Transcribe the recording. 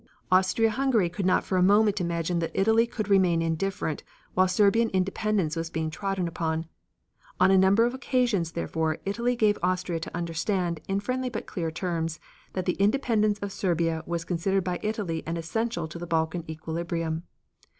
Austria Hungary could not for a moment imagine that Italy could remain indifferent while Serbian independence was being trodden upon. On a number of occasions theretofore, Italy gave Austria to understand, in friendly but clear terms, that the independence of Serbia was considered by Italy as essential to the Balkan equilibrium.